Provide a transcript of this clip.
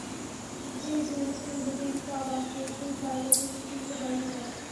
দেড়-দুই লাখ টাকা বেতন পাবা, দেশে জায়গা জমি কিনবা, বাড়ি বানাবা।